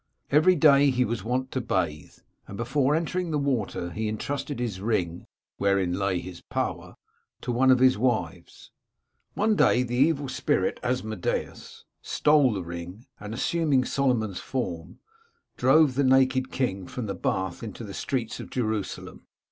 Every day he was wont to bathe, and before entering the water, he entrusted his ring, wherein lay his power, 245 Curiosities of Olden Times to one of his wives. One day the evil spirit, Asmodeus, stole the ring, and, assuming Solomon's form, drove the naked king from the bath into the streets of Jerusalem.